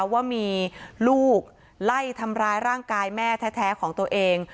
ว่ามีลูกไล่ทำร้ายร่างกายแม่แท้ของตัวเอง